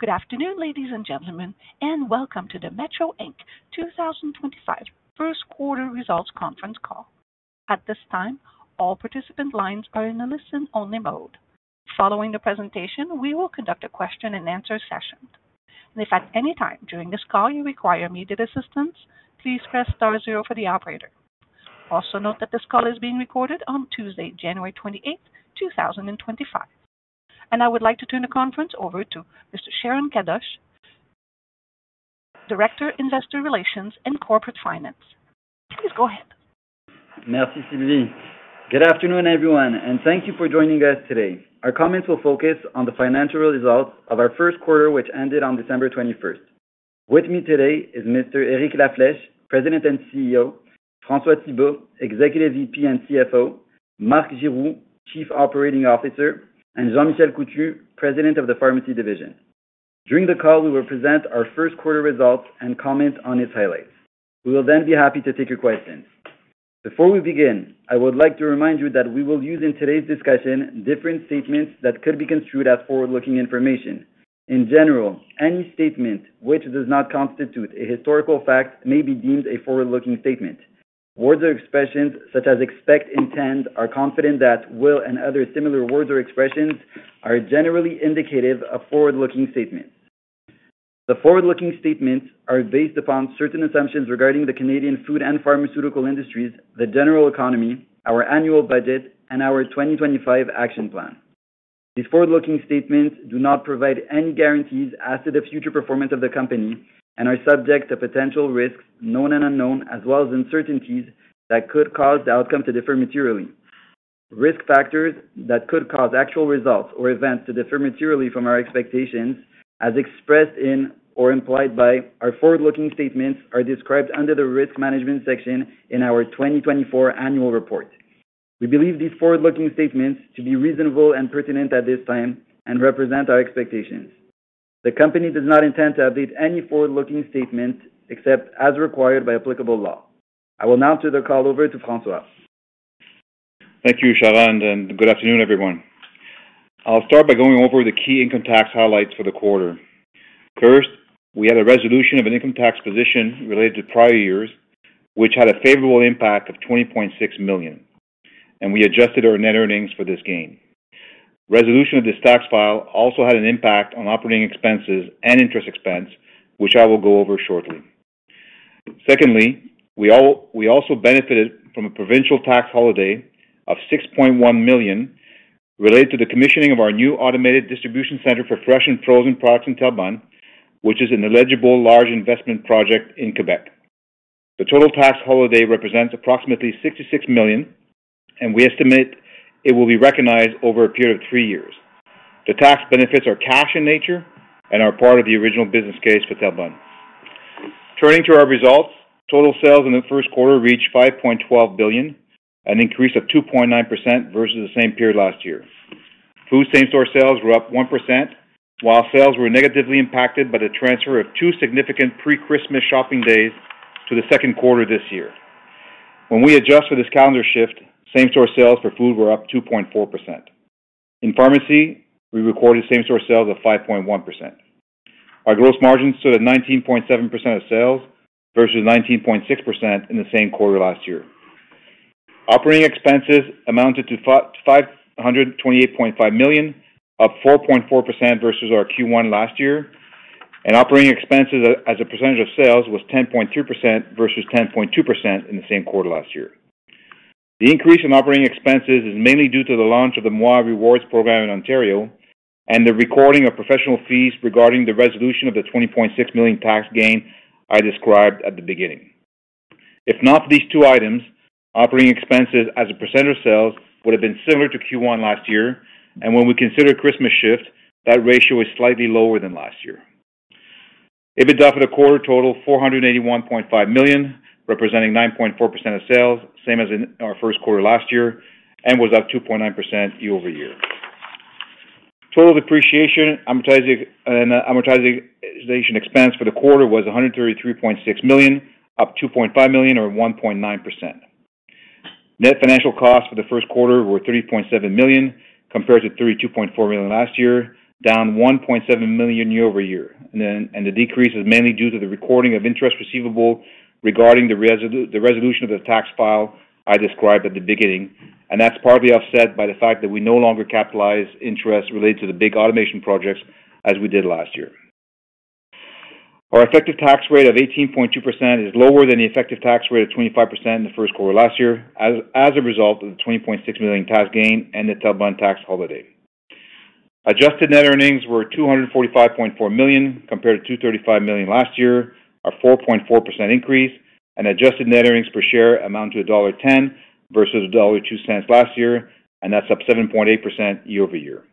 Good afternoon, ladies and gentlemen, and welcome to the Metro Inc. 2025 First Quarter Results Conference Call. At this time, all participant lines are in a listen-only mode. Following the presentation, we will conduct a question-and-answer session. If at any time during this call you require immediate assistance, please press star zero for the operator. Also note that this call is being recorded on Tuesday, January 28th, 2025. And I would like to turn the conference over to Mr. Sharon Kadoch, Director, Investor Relations and Corporate Finance. Please go ahead. Merci, Sylvie. Good afternoon, everyone, and thank you for joining us today. Our comments will focus on the financial results of our first quarter, which ended on December 21st. With me today is Mr. Eric La Flèche, President and CEO, François Thibault, Executive VP and CFO, Marc Giroux, Chief Operating Officer, and Jean-Michel Coutu, President of the Pharmacy Division. During the call, we will present our first quarter results and comment on its highlights. We will then be happy to take your questions. Before we begin, I would like to remind you that we will use in today's discussion different statements that could be construed as forward-looking information. In general, any statement which does not constitute a historical fact may be deemed a forward-looking statement. Words or expressions such as "expect," "intend," or "confident that," "will," and other similar words or expressions are generally indicative of forward-looking statements. The forward-looking statements are based upon certain assumptions regarding the Canadian food and pharmaceutical industries, the general economy, our annual budget, and our 2025 action plan. These forward-looking statements do not provide any guarantees as to the future performance of the company and are subject to potential risks, known and unknown, as well as uncertainties that could cause the outcome to differ materially. Risk factors that could cause actual results or events to differ materially from our expectations, as expressed in or implied by our forward-looking statements, are described under the risk management section in our 2024 annual report. We believe these forward-looking statements to be reasonable and pertinent at this time and represent our expectations. The company does not intend to update any forward-looking statements except as required by applicable law. I will now turn the call over to François. Thank you, Sharon, and good afternoon, everyone. I'll start by going over the key income tax highlights for the quarter. First, we had a resolution of an income tax position related to prior years, which had a favorable impact of 20.6 million, and we adjusted our net earnings for this gain. Resolution of this tax item also had an impact on operating expenses and interest expense, which I will go over shortly. Secondly, we also benefited from a provincial tax holiday of 6.1 million related to the commissioning of our new automated distribution center for fresh and frozen products in Terrebonne, which is an eligible large investment project in Quebec. The total tax holiday represents approximately 66 million, and we estimate it will be recognized over a period of three years. The tax benefits are cash in nature and are part of the original business case for Terrebonne. Turning to our results, total sales in the first quarter reached 5.12 billion, an increase of 2.9% versus the same period last year. Food same-store sales were up 1%, while sales were negatively impacted by the transfer of two significant pre-Christmas shopping days to the second quarter this year. When we adjust for this calendar shift, same-store sales for food were up 2.4%. In pharmacy, we recorded same-store sales of 5.1%. Our gross margin stood at 19.7% of sales versus 19.6% in the same quarter last year. Operating expenses amounted to 528.5 million, up 4.4% versus our Q1 last year, and operating expenses as a percentage of sales was 10.3% versus 10.2% in the same quarter last year. The increase in operating expenses is mainly due to the launch of the Moi Rewards program in Ontario and the recording of professional fees regarding the resolution of the 20.6 million tax gain I described at the beginning. If not for these two items, operating expenses as a percentage of sales would have been similar to Q1 last year, and when we consider Christmas shift, that ratio is slightly lower than last year. EBITDA for the quarter totaled 481.5 million, representing 9.4% of sales, same as in our first quarter last year, and was up 2.9% year over year. Total depreciation and amortization expense for the quarter was 133.6 million, up 2.5 million or 1.9%. Net financial costs for the first quarter were 30.7 million compared to 32.4 million last year, down 1.7 million year over year, and the decrease is mainly due to the recording of interest receivable regarding the resolution of the tax file I described at the beginning, and that's partly offset by the fact that we no longer capitalize interest related to the big automation projects as we did last year. Our effective tax rate of 18.2% is lower than the effective tax rate of 25% in the first quarter last year as a result of the 20.6 million tax gain and the Terrebonne tax holiday. Adjusted Net Earnings were 245.4 million compared to 235 million last year, a 4.4% increase, and adjusted net earnings per share amount to dollar 1.10 versus dollar 1.02 last year, and that's up 7.8% year over year.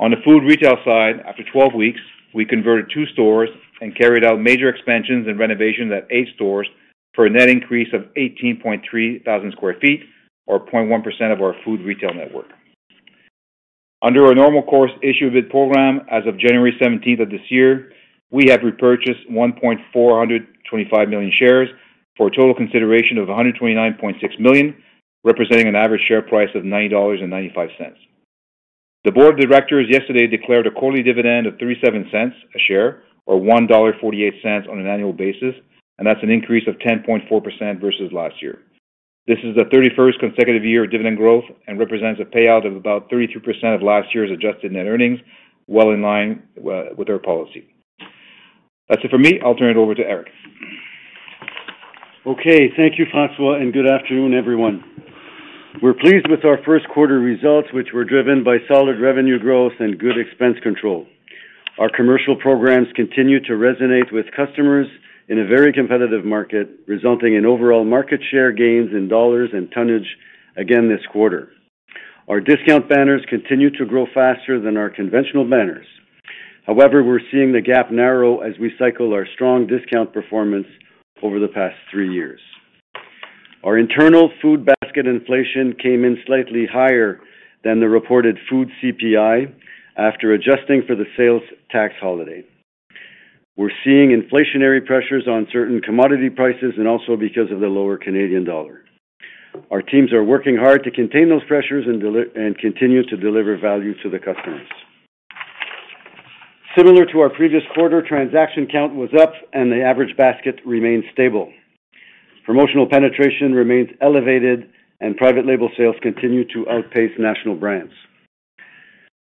On the food retail side, after 12 weeks, we converted two stores and carried out major expansions and renovations at eight stores for a net increase of 18.3 thousand sq ft or 0.1% of our food retail network. Under our normal course issuer bid program as of January 17th of this year, we have repurchased 1.425 million shares for a total consideration of CAD 129.6 million, representing an average share price of CAD 90.95. The board of directors yesterday declared a quarterly dividend of 0.37 a share or CAD 1.48 on an annual basis, and that's an increase of 10.4% versus last year. This is the 31st consecutive year of dividend growth and represents a payout of about 33% of last year's adjusted net earnings, well in line with our policy. That's it for me. I'll turn it over to Eric. Okay, thank you, François, and good afternoon, everyone. We're pleased with our first quarter results, which were driven by solid revenue growth and good expense control. Our commercial programs continue to resonate with customers in a very competitive market, resulting in overall market share gains in dollars and tonnage again this quarter. Our discount banners continue to grow faster than our conventional banners. However, we're seeing the gap narrow as we cycle our strong discount performance over the past three years. Our internal food basket inflation came in slightly higher than the reported food CPI after adjusting for the sales tax holiday. We're seeing inflationary pressures on certain commodity prices and also because of the lower Canadian dollar. Our teams are working hard to contain those pressures and continue to deliver value to the customers. Similar to our previous quarter, transaction count was up, and the average basket remained stable. Promotional penetration remains elevated, and private label sales continue to outpace national brands.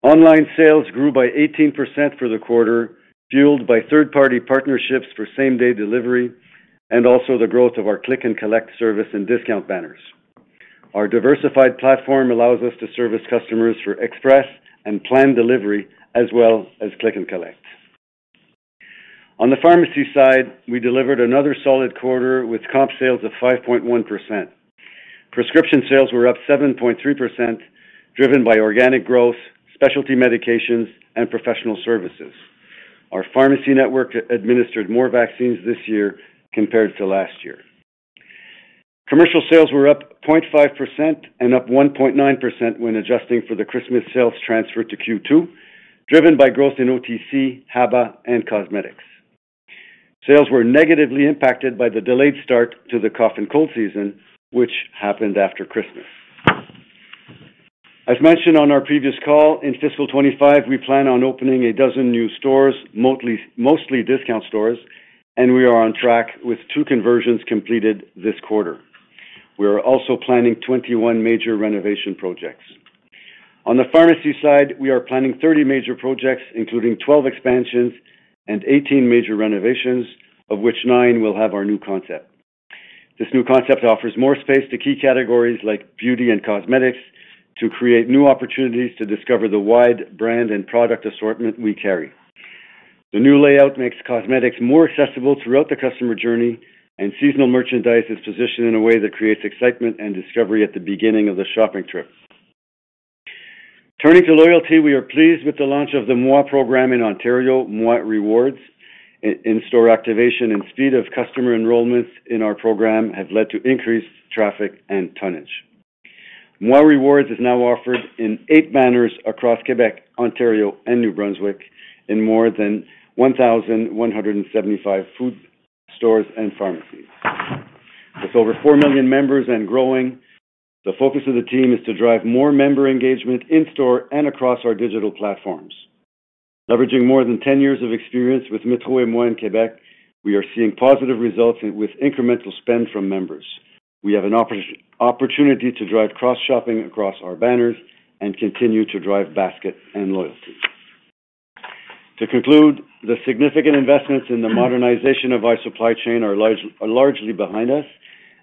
Online sales grew by 18% for the quarter, fueled by third-party partnerships for same-day delivery and also the growth of our click-and-collect service and discount banners. Our diversified platform allows us to service customers for express and planned delivery as well as click-and-collect. On the pharmacy side, we delivered another solid quarter with comp sales of 5.1%. Prescription sales were up 7.3%, driven by organic growth, specialty medications, and professional services. Our pharmacy network administered more vaccines this year compared to last year. Commercial sales were up 0.5% and up 1.9% when adjusting for the Christmas sales transfer to Q2, driven by growth in OTC, HABA, and cosmetics. Sales were negatively impacted by the delayed start to the cough and cold season, which happened after Christmas. As mentioned on our previous call, in fiscal 2025, we plan on opening a dozen new stores, mostly discount stores, and we are on track with two conversions completed this quarter. We are also planning 21 major renovation projects. On the pharmacy side, we are planning 30 major projects, including 12 expansions and 18 major renovations, of which nine will have our new concept. This new concept offers more space to key categories like beauty and cosmetics to create new opportunities to discover the wide brand and product assortment we carry. The new layout makes cosmetics more accessible throughout the customer journey, and seasonal merchandise is positioned in a way that creates excitement and discovery at the beginning of the shopping trip. Turning to loyalty, we are pleased with the launch of the Moi program in Ontario, Moi Rewards. In-store activation and speed of customer enrollments in our program have led to increased traffic and tonnage. Moi Rewards is now offered in eight banners across Quebec, Ontario, and New Brunswick in more than 1,175 food stores and pharmacies. With over 4 million members and growing, the focus of the team is to drive more member engagement in-store and across our digital platforms. Leveraging more than 10 years of experience with metro&moi in Quebec, we are seeing positive results with incremental spend from members. We have an opportunity to drive cross-shopping across our banners and continue to drive basket and loyalty. To conclude, the significant investments in the modernization of our supply chain are largely behind us,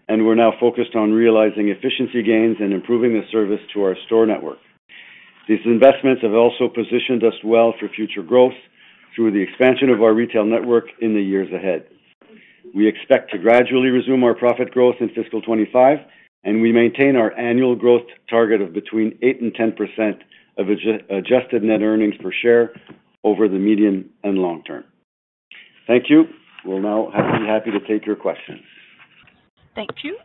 and we're now focused on realizing efficiency gains and improving the service to our store network. These investments have also positioned us well for future growth through the expansion of our retail network in the years ahead. We expect to gradually resume our profit growth in fiscal 2025, and we maintain our annual growth target of between 8% and 10% of Adjusted Net Earnings per share over the medium and long term. Thank you. We'll now be happy to take your questions. Thank you.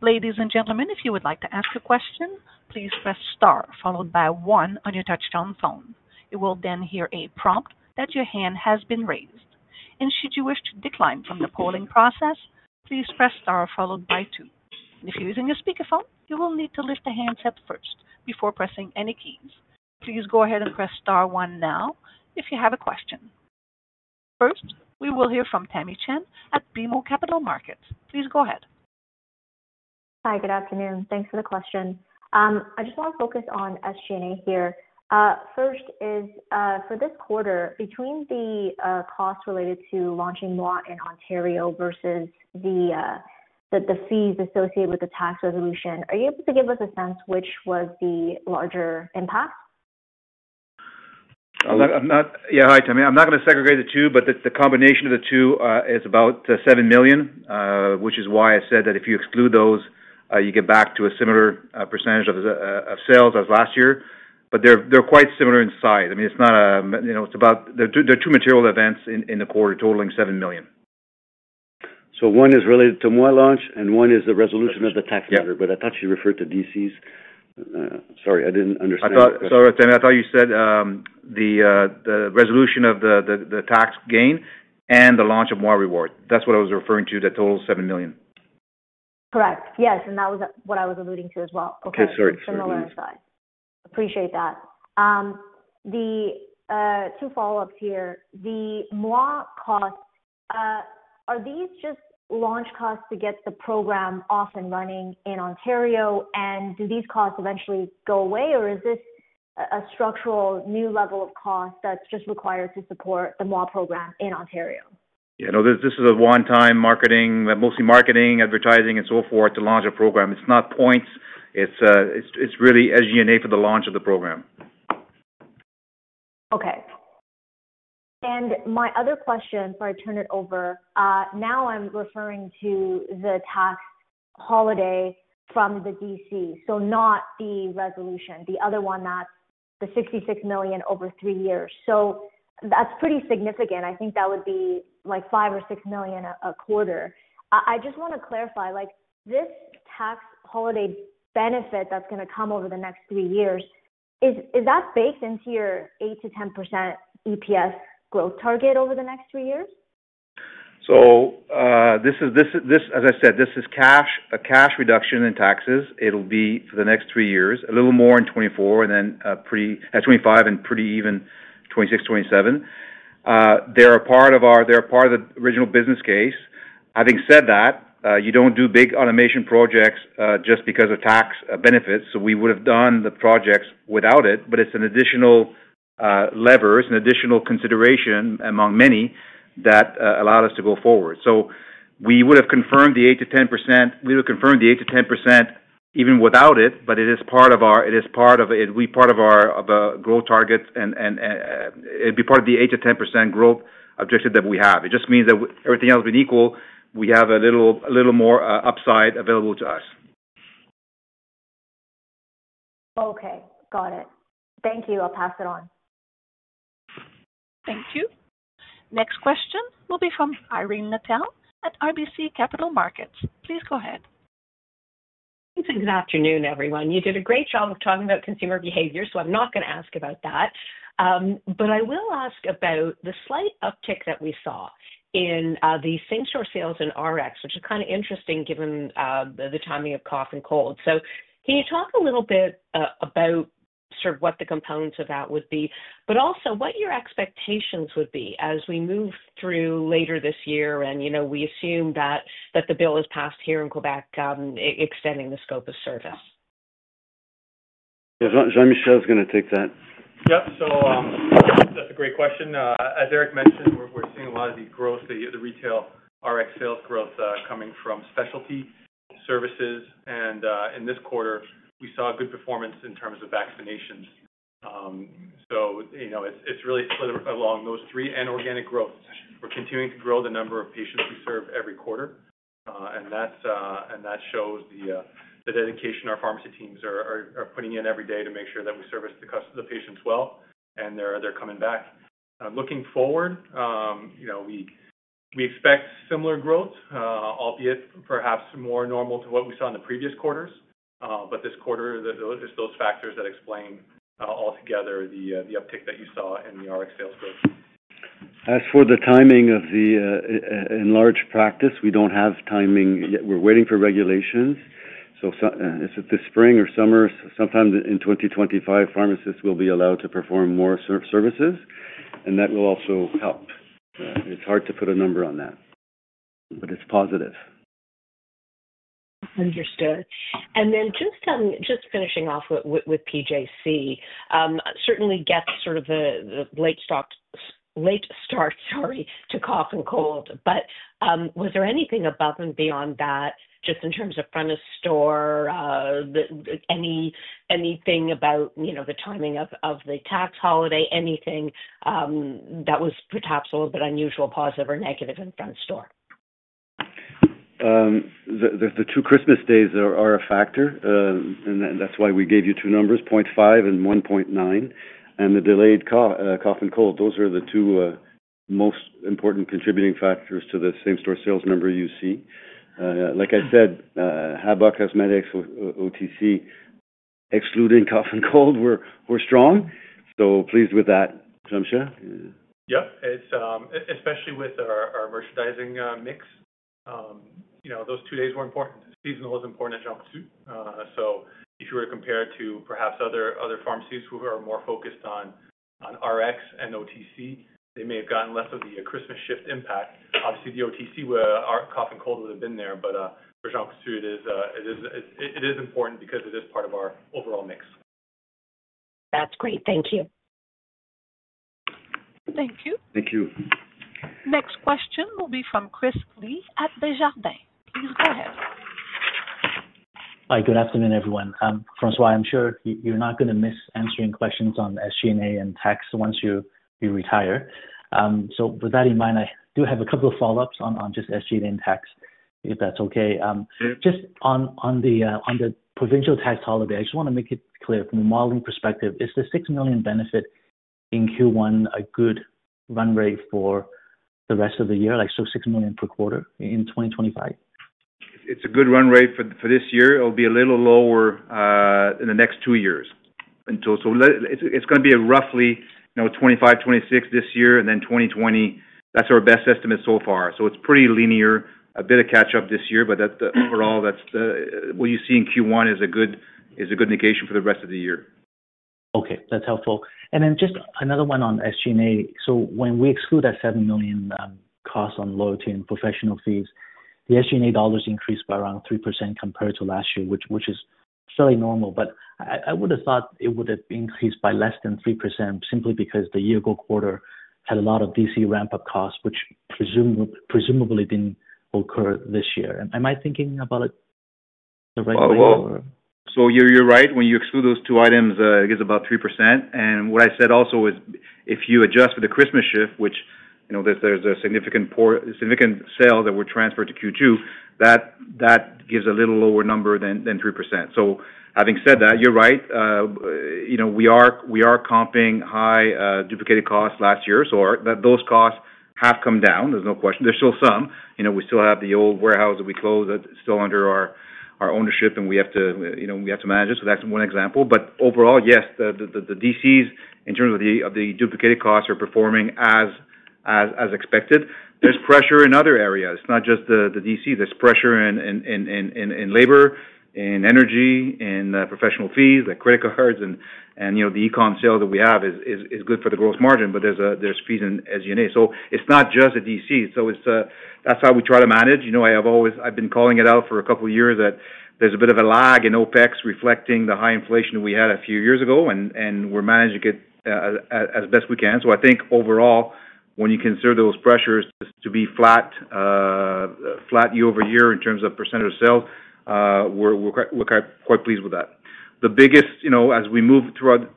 Ladies and gentlemen, if you would like to ask a question, please press Star followed by One on your touch-tone phone. You will then hear a prompt that your hand has been raised. And should you wish to decline from the polling process, please press Star followed by Two. And if you're using a speakerphone, you will need to lift the handset up first before pressing any keys. Please go ahead and press Star One now if you have a question. First, we will hear from Tamy Chen at BMO Capital Markets. Please go ahead. Hi, good afternoon. Thanks for the question. I just want to focus on SG&A here. First is for this quarter, between the costs related to launching Moi in Ontario versus the fees associated with the tax resolution, are you able to give us a sense which was the larger impact? Yeah, hi, Tamy. I'm not going to segregate the two, but the combination of the two is about 7 million, which is why I said that if you exclude those, you get back to a similar percentage of sales as last year. But they're quite similar in size. I mean, they're two material events in the quarter totaling 7 million. So one is related to Moi launch, and one is the resolution of the tax matter, but I thought you referred to DCs. Sorry, I didn't understand. I thought, sorry, Tamy, I thought you said the resolution of the tax gain and the launch of Moi Rewards. That's what I was referring to, that total 7 million. Correct. Yes, and that was what I was alluding to as well. Okay, similar in size. Appreciate that. The two follow-ups here. The Moi costs, are these just launch costs to get the program off and running in Ontario, and do these costs eventually go away, or is this a structural new level of cost that's just required to support the Moi program in Ontario? Yeah, no, this is a one-time marketing, mostly marketing, advertising, and so forth to launch a program. It's not points. It's really SG&A for the launch of the program. Okay. And my other question before I turn it over, now I'm referring to the tax holiday from the DC, so not the resolution, the other one that's the 66 million over three years. So that's pretty significant. I think that would be like 5 million or 6 million a quarter. I just want to clarify, this tax holiday benefit that's going to come over the next three years, is that baked into your 8%-10% EPS growth target over the next three years? So this, as I said, this is a cash reduction in taxes. It'll be for the next three years, a little more in 2024, and then at 2025 and pretty even 2026, 2027. They're a part of our—they're a part of the original business case. Having said that, you don't do big automation projects just because of tax benefits, so we would have done the projects without it, but it's an additional lever, it's an additional consideration among many that allowed us to go forward. So we would have confirmed the 8%-10%. We would have confirmed the 8%-10% even without it, but it is part of our—it is part of it. It'd be part of our growth target, and it'd be part of the 8%-10% growth objective that we have. It just means that everything else being equal, we have a little more upside available to us. Okay, got it. Thank you. I'll pass it on. Thank you. Next question will be from Irene Nattel at RBC Capital Markets. Please go ahead. Thanks. Good afternoon, everyone. You did a great job of talking about consumer behavior, so I'm not going to ask about that. But I will ask about the slight uptick that we saw in the same store sales in RX, which is kind of interesting given the timing of cough and cold. So can you talk a little bit about sort of what the components of that would be, but also what your expectations would be as we move through later this year? And we assume that the bill is passed here in Quebec, extending the scope of service. Yeah, Jean-Michel is going to take that. Yeah, so that's a great question. As Eric mentioned, we're seeing a lot of the growth, the retail RX sales growth coming from specialty services. And in this quarter, we saw good performance in terms of vaccinations. So it's really split along those three and organic growth. We're continuing to grow the number of patients we serve every quarter, and that shows the dedication our pharmacy teams are putting in every day to make sure that we service the patients well, and they're coming back. Looking forward, we expect similar growth, albeit perhaps more normal to what we saw in the previous quarters. But this quarter, it's those factors that explain altogether the uptick that you saw in the RX sales growth. As for the timing of the enlarged practice, we don't have timing. We're waiting for regulations. So this spring or summer, sometime in 2025, pharmacists will be allowed to perform more services, and that will also help. It's hard to put a number on that, but it's positive. Understood. And then just finishing off with PJC, certainly gets sort of the late start, sorry, to cough and cold. But was there anything above and beyond that, just in terms of front of store, anything about the timing of the tax holiday, anything that was perhaps a little bit unusual, positive or negative in front store? The two Christmas days are a factor, and that's why we gave you two numbers, 0.5% and 1.9%, and the delayed cough and cold, those are the two most important contributing factors to the same-store sales number you see. Like I said, HABA, Cosmetics, OTC, excluding cough and cold, were strong. So pleased with that, Jean-Michel? Yeah, especially with our merchandising mix. Those two days were important. Seasonal is important at Jean Coutu. So if you were to compare it to perhaps other pharmacies who are more focused on RX and OTC, they may have gotten less of the Christmas shift impact. Obviously, the OTC, where our cough and cold would have been there, but for Jean Coutu, it is important because it is part of our overall mix. That's great. Thank you. Thank you. Thank you. Next question will be from Chris Li at Desjardins Securities. Please go ahead. Hi, good afternoon, everyone. François, I'm sure you're not going to miss answering questions on SG&A and tax once you retire. So with that in mind, I do have a couple of follow-ups on just SG&A and tax, if that's okay. Just on the provincial tax holiday, I just want to make it clear from a modeling perspective, is the 6 million benefit in Q1 a good run rate for the rest of the year, like 6 million per quarter in 2025? It's a good run rate for this year. It'll be a little lower in the next two years. So it's going to be roughly 25, 26 this year, and then 2020. That's our best estimate so far. So it's pretty linear, a bit of catch-up this year, but overall, what you see in Q1 is a good indication for the rest of the year. Okay, that's helpful. And then just another one on SG&A. So when we exclude that 7 million costs on loyalty and professional fees, the SG&A dollars increased by around 3% compared to last year, which is fairly normal. But I would have thought it would have increased by less than 3% simply because the year-ago quarter had a lot of DC ramp-up costs, which presumably didn't occur this year. Am I thinking about it the right way? You're right. When you exclude those two items, it gives about 3%. What I said also is if you adjust for the Christmas shift, which there's a significant sale that were transferred to Q2, that gives a little lower number than 3%. Having said that, you're right. We are comping high duplicated costs last year. Those costs have come down. There's no question. There's still some. We still have the old warehouse that we closed that's still under our ownership, and we have to manage it. That's one example. But overall, yes, the DCs, in terms of the duplicated costs, are performing as expected. There's pressure in other areas. It's not just the DC. There's pressure in labor, in energy, in professional fees, the credit cards. The e-com sales that we have are good for the gross margin, but there's fees in SG&A. So it's not just the DC. So that's how we try to manage. I've been calling it out for a couple of years that there's a bit of a lag in OpEx reflecting the high inflation we had a few years ago, and we're managing it as best we can. So I think overall, when you consider those pressures to be flat year over year in terms of percentage of sales, we're quite pleased with that. The biggest, as we move throughout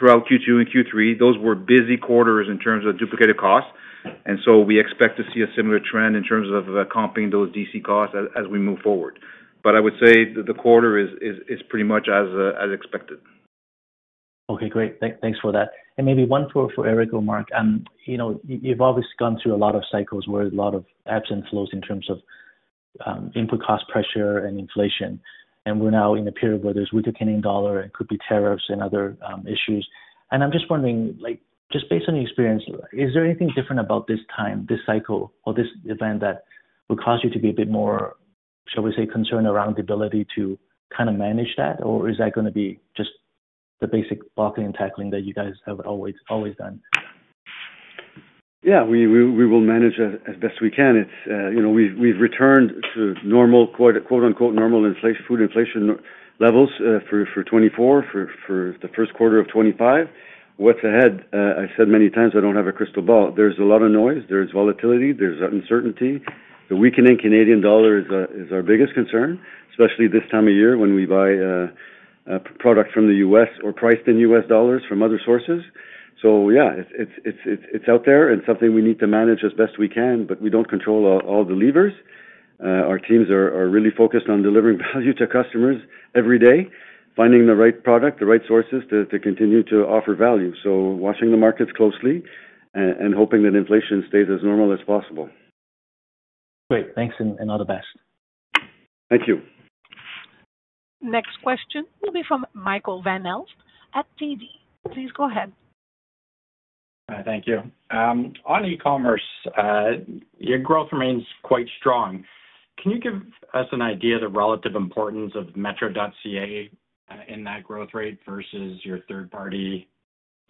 Q2 and Q3, those were busy quarters in terms of duplicated costs. And so we expect to see a similar trend in terms of comping those DC costs as we move forward. But I would say the quarter is pretty much as expected. Okay, great. Thanks for that, and maybe one for Eric or Marc. You've obviously gone through a lot of cycles where there's a lot of ebbs and flows in terms of input cost pressure and inflation, and we're now in a period where there's weaker Canadian dollar. It could be tariffs and other issues, and I'm just wondering, just based on your experience, is there anything different about this time, this cycle, or this event that would cause you to be a bit more, shall we say, concerned around the ability to kind of manage that, or is that going to be just the basic blocking and tackling that you guys have always done? Yeah, we will manage as best we can. We've returned to normal, quote-unquote, normal food inflation levels for 2024, for the first quarter of 2025. What's ahead? I said many times I don't have a crystal ball. There's a lot of noise. There's volatility. There's uncertainty. The weakening Canadian dollar is our biggest concern, especially this time of year when we buy product from the U.S. or priced in US dollars from other sources. So yeah, it's out there and something we need to manage as best we can, but we don't control all the levers. Our teams are really focused on delivering value to customers every day, finding the right product, the right sources to continue to offer value. So watching the markets closely and hoping that inflation stays as normal as possible. Great. Thanks and all the best. Thank you. Next question will be from Michael Van Aelst at TD. Please go ahead. Thank you. On e-commerce, your growth remains quite strong. Can you give us an idea of the relative importance of Metro.ca in that growth rate versus your third-party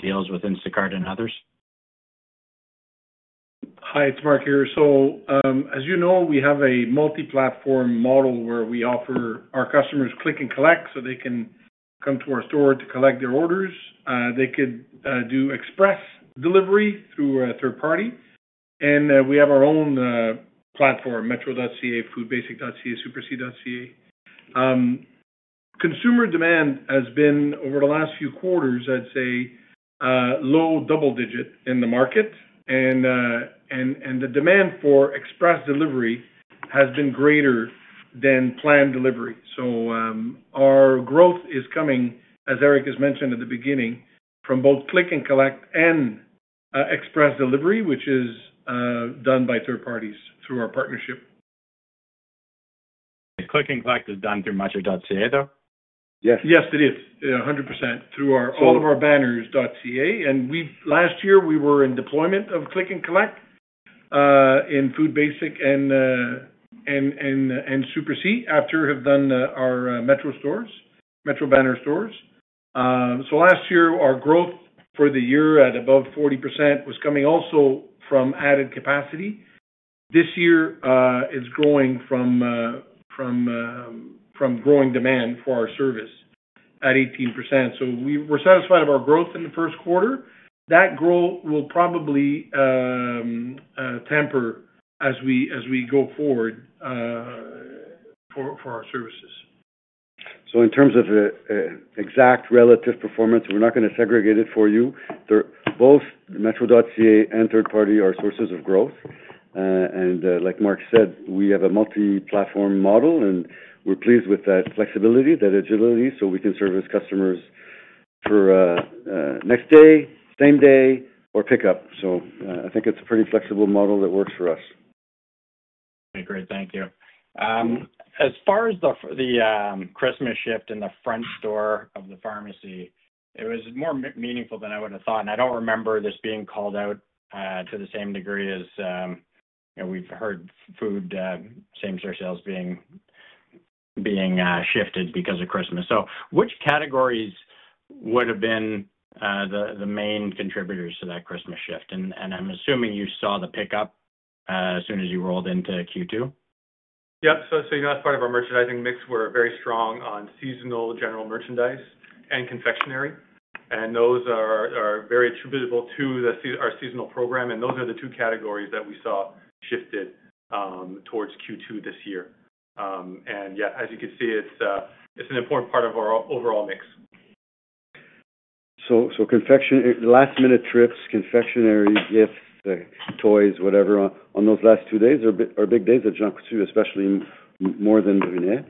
deals with Instacart and others? Hi, it's Marc here. So as you know, we have a multi-platform model where we offer our customers click and collect so they can come to our store to collect their orders. They could do express delivery through a third party. And we have our own platform, Metro.ca, FoodBasics.ca, SuperC.ca. Consumer demand has been, over the last few quarters, I'd say, low double digit in the market. And the demand for express delivery has been greater than planned delivery. So our growth is coming, as Eric has mentioned at the beginning, from both click and collect and express delivery, which is done by third parties through our partnership. Click-and-collect is done through Metro.ca, though? Yes. Yes, it is. 100%. Through all of our banners.ca. And last year, we were in deployment of click and collect in Food Basics and Super C after we have done our Metro stores, Metro Banner stores. So last year, our growth for the year at above 40% was coming also from added capacity. This year, it's growing from growing demand for our service at 18%. So we're satisfied of our growth in the first quarter. That growth will probably temper as we go forward for our services. So in terms of exact relative performance, we're not going to segregate it for you. Both Metro.ca and third party are sources of growth. And like Marc said, we have a multi-platform model, and we're pleased with that flexibility, that agility, so we can service customers for next day, same day, or pickup. So I think it's a pretty flexible model that works for us. Okay, great. Thank you. As far as the Christmas shift in the front store of the pharmacy, it was more meaningful than I would have thought. And I don't remember this being called out to the same degree as we've heard food same-store sales being shifted because of Christmas. So which categories would have been the main contributors to that Christmas shift? And I'm assuming you saw the pickup as soon as you rolled into Q2? Yep. So that's part of our merchandising mix. We're very strong on seasonal general merchandise and confectionery. And those are very attributable to our seasonal program. And those are the two categories that we saw shifted towards Q2 this year. And yeah, as you can see, it's an important part of our overall mix. So last-minute trips, confectionery, gifts, toys, whatever, on those last two days are big days at Jean Coutu, especially more than Brunet.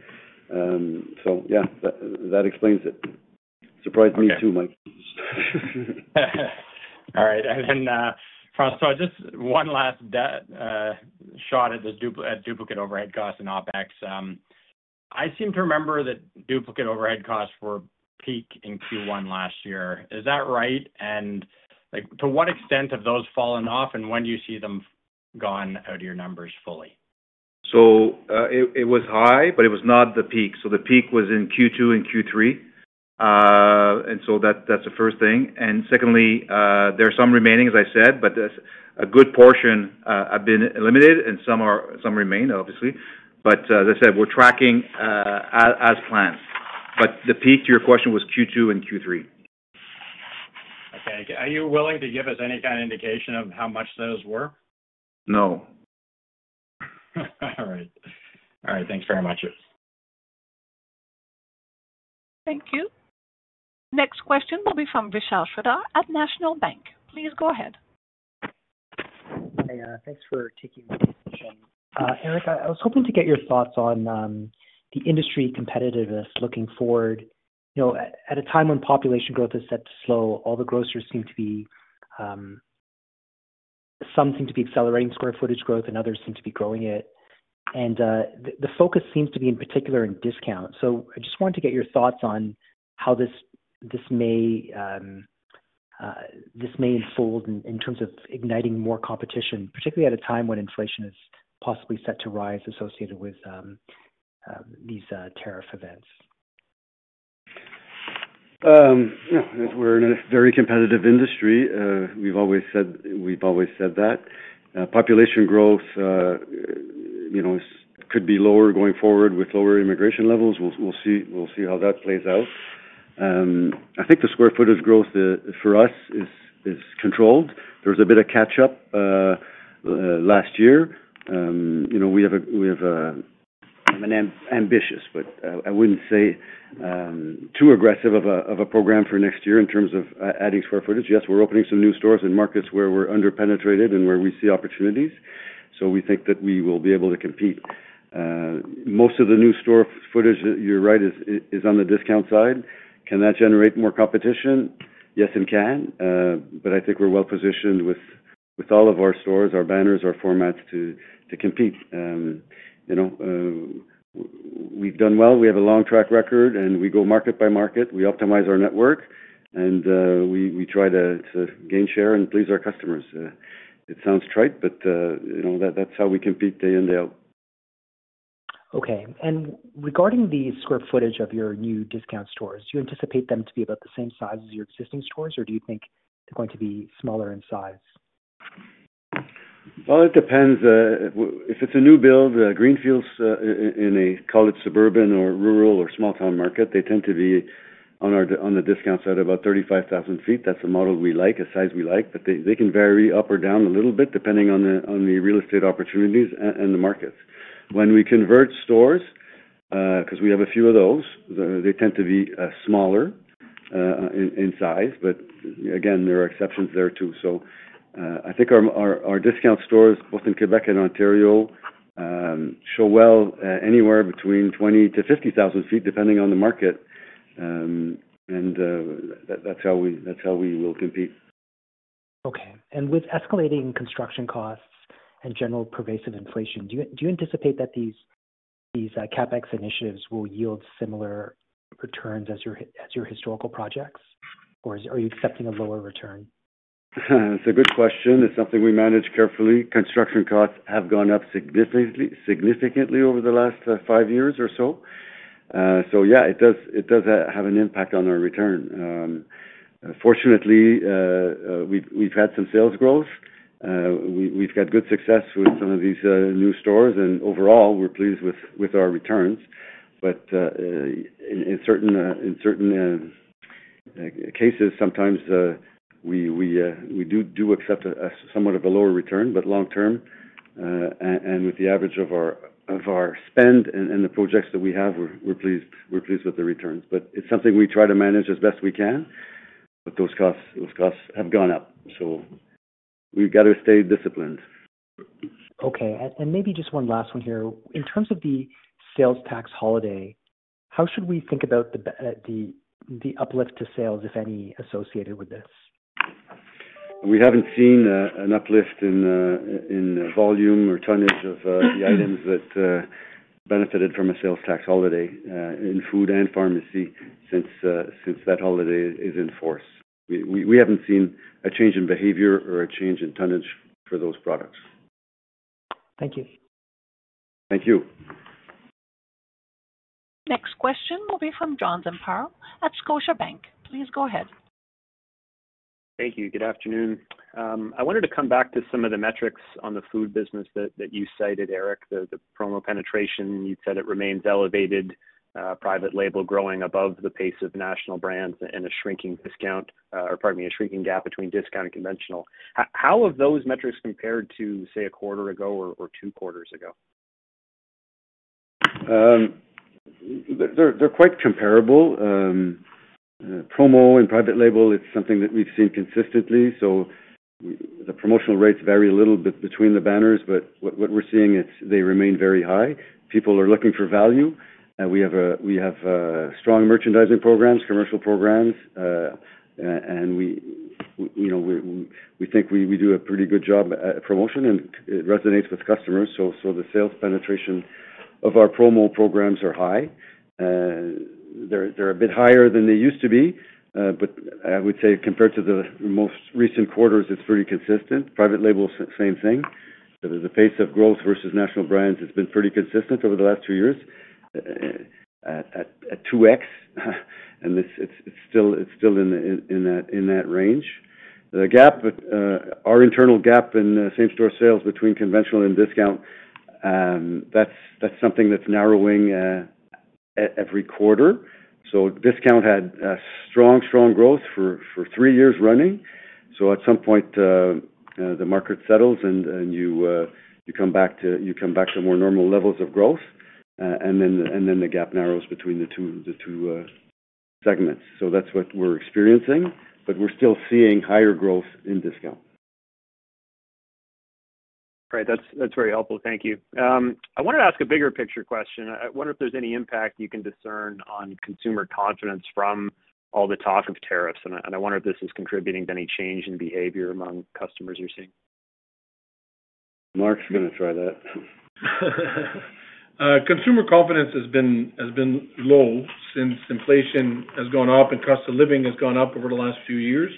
So yeah, that explains it. Surprised me too, Mike. All right. And then François, just one last shot at the duplicate overhead costs and OPEX. I seem to remember that duplicate overhead costs were peak in Q1 last year. Is that right? And to what extent have those fallen off, and when do you see them gone out of your numbers fully? So it was high, but it was not the peak. So the peak was in Q2 and Q3. And so that's the first thing. And secondly, there are some remaining, as I said, but a good portion have been eliminated, and some remain, obviously. But as I said, we're tracking as planned. But the peak, to your question, was Q2 and Q3. Okay. Are you willing to give us any kind of indication of how much those were? No. All right. All right. Thanks very much. Thank you. Next question will be from Vishal Shreedhar at National Bank Financial. Please go ahead. Hi. Thanks for taking the time. Eric, I was hoping to get your thoughts on the industry competitiveness looking forward. At a time when population growth is set to slow, all the grocers seem to be accelerating square footage growth, and others seem to be growing it. The focus seems to be in particular in discounts. I just wanted to get your thoughts on how this may unfold in terms of igniting more competition, particularly at a time when inflation is possibly set to rise associated with these tariff events. We're in a very competitive industry. We've always said that. Population growth could be lower going forward with lower immigration levels. We'll see how that plays out. I think the square footage growth for us is controlled. There was a bit of catch-up last year. We have an ambitious, but I wouldn't say too aggressive of a program for next year in terms of adding square footage. Yes, we're opening some new stores in markets where we're underpenetrated and where we see opportunities. So we think that we will be able to compete. Most of the new store footage, you're right, is on the discount side. Can that generate more competition? Yes, it can. But I think we're well positioned with all of our stores, our banners, our formats to compete. We've done well. We have a long track record, and we go market by market. We optimize our network, and we try to gain share and please our customers. It sounds trite, but that's how we compete day in, day out. Okay, and regarding the square footage of your new discount stores, do you anticipate them to be about the same size as your existing stores, or do you think they're going to be smaller in size? It depends. If it's a new build, greenfield in a larger suburban or rural or small-town market, they tend to be on the discount side of about 35,000 sq ft. That's a model we like, a size we like. But they can vary up or down a little bit depending on the real estate opportunities and the markets. When we convert stores, because we have a few of those, they tend to be smaller in size. But again, there are exceptions there too. I think our discount stores, both in Quebec and Ontario, do well anywhere between 20,000-50,000 sq ft depending on the market. That's how we will compete. Okay, and with escalating construction costs and general pervasive inflation, do you anticipate that these CapEx initiatives will yield similar returns as your historical projects? Or are you expecting a lower return? It's a good question. It's something we manage carefully. Construction costs have gone up significantly over the last five years or so. So yeah, it does have an impact on our return. Fortunately, we've had some sales growth. We've had good success with some of these new stores. And overall, we're pleased with our returns. But in certain cases, sometimes we do accept somewhat of a lower return, but long-term. And with the average of our spend and the projects that we have, we're pleased with the returns. But it's something we try to manage as best we can. But those costs have gone up. So we've got to stay disciplined. Okay. And maybe just one last one here. In terms of the sales tax holiday, how should we think about the uplift to sales, if any, associated with this? We haven't seen an uplift in volume or tonnage of the items that benefited from a sales tax holiday in food and pharmacy since that holiday is in force. We haven't seen a change in behavior or a change in tonnage for those products. Thank you. Thank you. Next question will be from John Zamparo at Scotiabank. Please go ahead. Thank you. Good afternoon. I wanted to come back to some of the metrics on the food business that you cited, Eric. The promo penetration, you'd said it remains elevated, private label growing above the pace of national brands, and a shrinking discount, or pardon me, a shrinking gap between discount and conventional. How have those metrics compared to, say, a quarter ago or two quarters ago? They're quite comparable. Promo and private label, it's something that we've seen consistently. So the promotional rates vary a little bit between the banners, but what we're seeing, they remain very high. People are looking for value. We have strong merchandising programs, commercial programs. And we think we do a pretty good job at promotion, and it resonates with customers. So the sales penetration of our promo programs are high. They're a bit higher than they used to be. But I would say compared to the most recent quarters, it's pretty consistent. Private label, same thing. The pace of growth versus national brands, it's been pretty consistent over the last two years at 2X. And it's still in that range. Our internal gap in same store sales between conventional and discount, that's something that's narrowing every quarter. So discount had strong, strong growth for three years running. So at some point, the market settles, and you come back to more normal levels of growth. And then the gap narrows between the two segments. So that's what we're experiencing. But we're still seeing higher growth in discount. All right. That's very helpful. Thank you. I wanted to ask a bigger picture question. I wonder if there's any impact you can discern on consumer confidence from all the talk of tariffs, and I wonder if this is contributing to any change in behavior among customers you're seeing. Marc's going to try that. Consumer confidence has been low since inflation has gone up and cost of living has gone up over the last few years.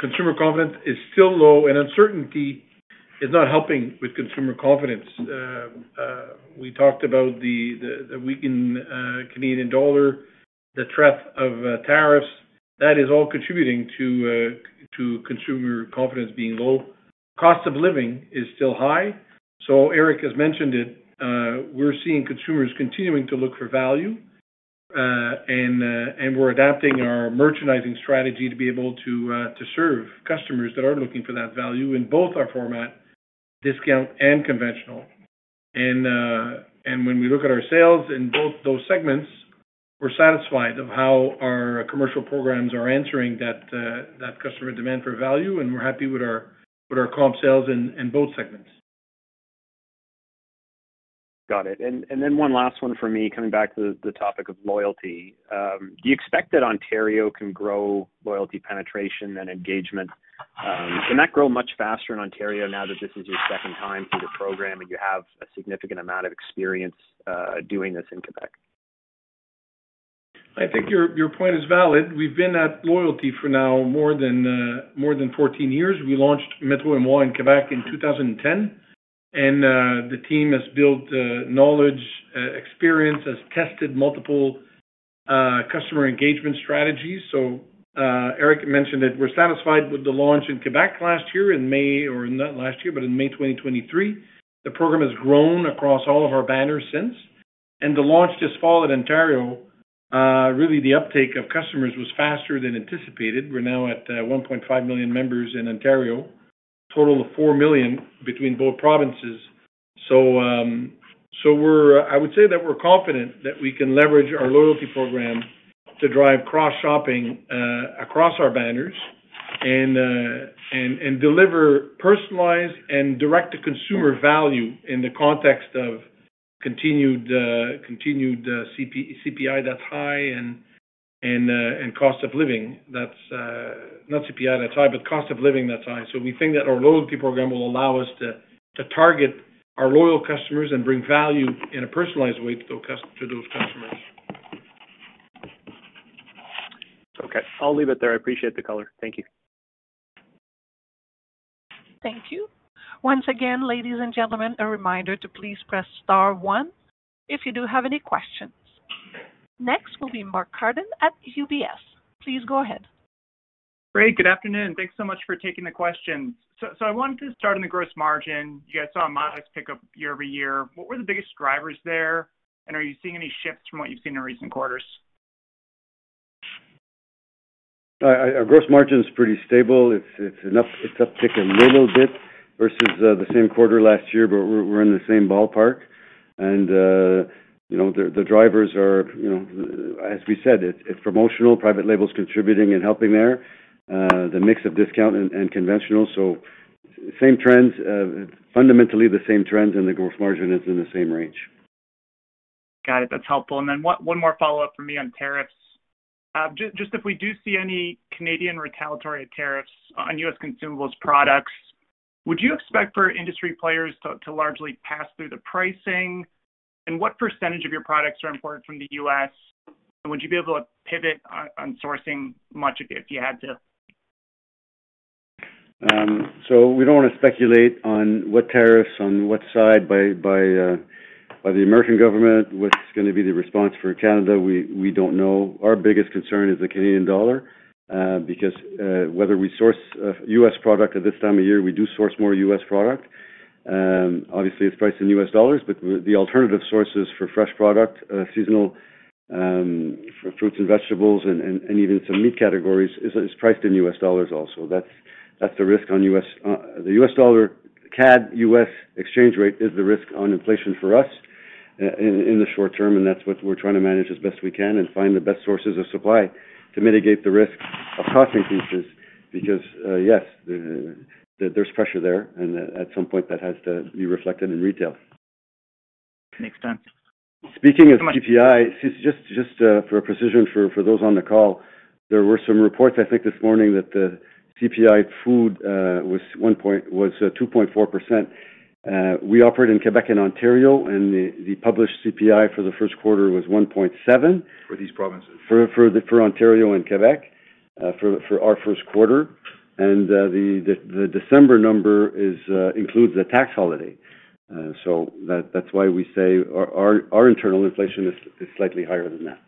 Consumer confidence is still low, and uncertainty is not helping with consumer confidence. We talked about the weakened Canadian dollar, the threat of tariffs. That is all contributing to consumer confidence being low. Cost of living is still high. So Eric has mentioned it. We're seeing consumers continuing to look for value. And we're adapting our merchandising strategy to be able to serve customers that are looking for that value in both our format, discount and conventional. And when we look at our sales in both those segments, we're satisfied of how our commercial programs are answering that customer demand for value. And we're happy with our comp sales in both segments. Got it. And then one last one for me, coming back to the topic of loyalty. Do you expect that Ontario can grow loyalty penetration and engagement? Can that grow much faster in Ontario now that this is your second time through the program and you have a significant amount of experience doing this in Quebec? I think your point is valid. We've been at loyalty for now more than 14 years. We launched metro&moi in Quebec in 2010, and the team has built knowledge, experience, has tested multiple customer engagement strategies, so Eric mentioned that we're satisfied with the launch in Quebec last year in May, or not last year, but in May 2023. The program has grown across all of our banners since, and the launch this fall in Ontario, really the uptake of customers was faster than anticipated. We're now at 1.5 million members in Ontario, a total of 4 million between both provinces, so I would say that we're confident that we can leverage our loyalty program to drive cross-shopping across our banners and deliver personalized and direct-to-consumer value in the context of continued CPI that's high and cost of living. Not CPI that's high, but cost of living that's high. We think that our loyalty program will allow us to target our loyal customers and bring value in a personalized way to those customers. Okay. I'll leave it there. I appreciate the color. Thank you. Thank you. Once again, ladies and gentlemen, a reminder to please press star one if you do have any questions. Next will be Mark Petrie at CIBC Capital Markets. Please go ahead. Great. Good afternoon. Thanks so much for taking the questions. So I wanted to start on the gross margin. You guys saw a modest pickup year over year. What were the biggest drivers there? And are you seeing any shifts from what you've seen in recent quarters? Our gross margin is pretty stable. It's upticked a little bit versus the same quarter last year, but we're in the same ballpark, and the drivers are, as we said, it's promotional, private labels contributing and helping there, the mix of discount and conventional, so same trends, fundamentally the same trends, and the gross margin is in the same range. Got it. That's helpful. And then one more follow-up from me on tariffs. Just if we do see any Canadian retaliatory tariffs on U.S. consumables products, would you expect for industry players to largely pass through the pricing? And what percentage of your products are imported from the U.S.? And would you be able to pivot on sourcing much if you had to? So we don't want to speculate on what tariffs on what side by the American government, what's going to be the response for Canada, we don't know. Our biggest concern is the Canadian dollar because whether we source U.S. product at this time of year, we do source more U.S. product. Obviously, it's priced in US dollars, but the alternative sources for fresh product, seasonal fruits and vegetables, and even some meat categories is priced in US dollars also. That's the risk on the US dollar, CAD, U.S. exchange rate is the risk on inflation for us in the short term. And that's what we're trying to manage as best we can and find the best sources of supply to mitigate the risk of cost increases because, yes, there's pressure there. And at some point, that has to be reflected in retail. Makes sense. Speaking of CPI, just for precision for those on the call, there were some reports, I think, this morning that the CPI food was 2.4%. We operate in Quebec and Ontario, and the published CPI for the first quarter was 1.7%. For these provinces. For Ontario and Quebec for our first quarter, and the December number includes the tax holiday, so that's why we say our internal inflation is slightly higher than that,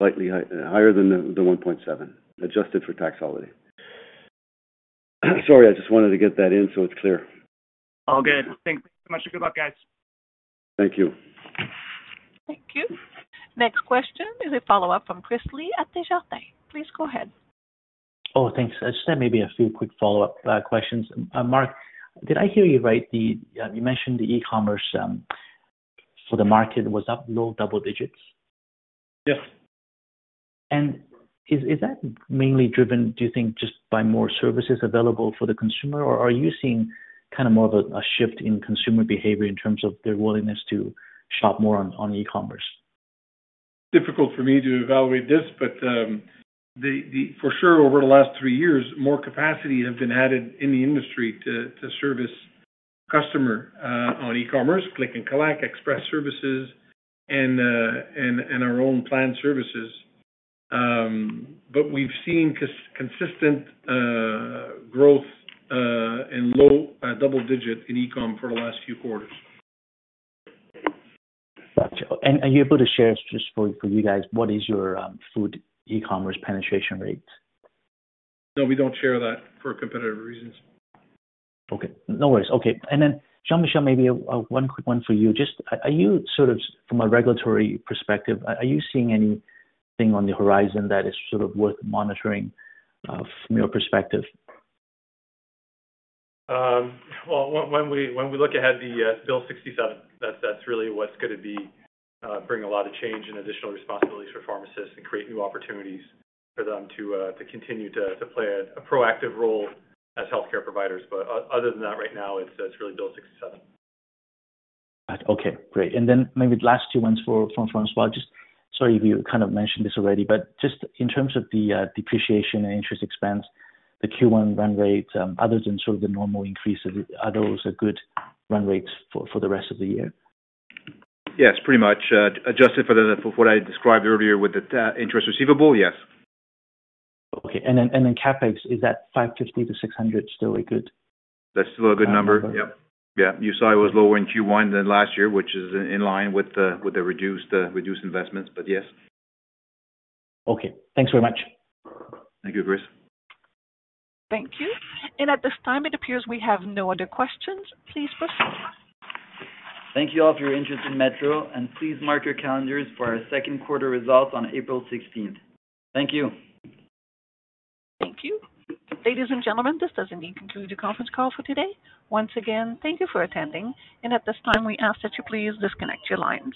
slightly higher than the 1.7% adjusted for tax holiday. Sorry, I just wanted to get that in so it's clear. All good. Thanks so much. Good luck, guys. Thank you. Thank you. Next question is a follow-up from Chris Li at Desjardins Securities. Please go ahead. Oh, thanks. Just maybe a few quick follow-up questions. Marc, did I hear you right? You mentioned the e-commerce for the Metro was up low double digits. Yes. Is that mainly driven, do you think, just by more services available for the consumer? Or are you seeing kind of more of a shift in consumer behavior in terms of their willingness to shop more on e-commerce? Difficult for me to evaluate this, but for sure, over the last three years, more capacity has been added in the industry to service customer on e-commerce, click and collect, express services, and our own planned services, but we've seen consistent growth in low double digit in e-com for the last few quarters. Gotcha. And are you able to share just for you guys, what is your food e-commerce penetration rate? No, we don't share that for competitive reasons. Okay. No worries. Okay. And then Jean-Michel, maybe one quick one for you. Just from a regulatory perspective, are you seeing anything on the horizon that is sort of worth monitoring from your perspective? When we look ahead, the Bill 67, that's really what's going to bring a lot of change and additional responsibilities for pharmacists and create new opportunities for them to continue to play a proactive role as healthcare providers. But other than that, right now, it's really Bill 67. Got it. Okay. Great. And then maybe the last two ones from François. Sorry if you kind of mentioned this already, but just in terms of the depreciation and interest expense, the Q1 run rate, other than sort of the normal increases, are those good run rates for the rest of the year? Yes, pretty much. Adjusted for what I described earlier with the interest receivable, yes. Okay. And then CapEx, is that 550-600 still a good? That's still a good number. Yep. Yeah. You saw it was lower in Q1 than last year, which is in line with the reduced investments. But yes. Okay. Thanks very much. Thank you, Chris. Thank you. And at this time, it appears we have no other questions. Please proceed. Thank you all for your interest in Metro. Please mark your calendars for our second quarter results on April 16th. Thank you. Thank you. Ladies and gentlemen, this does indeed conclude the conference call for today. Once again, thank you for attending, and at this time, we ask that you please disconnect your lines.